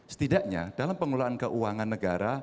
setidaknya dalam pengelolaan keuangan negara